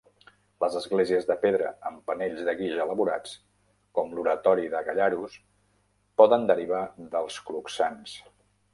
Les esglésies de pedra amb panells de guix elaborats, com l'oratori de Gallarus, poden derivar dels cloxans.